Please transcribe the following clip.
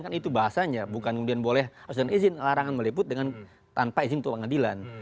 kan itu bahasanya bukan kemudian boleh harus dan izin larangan meliput dengan tanpa izin ketua pengadilan